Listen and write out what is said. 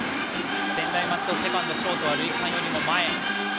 専大松戸セカンドとショートは塁間よりも前。